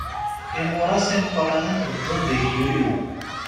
Imuras imeqqranen beddun deg yulyu.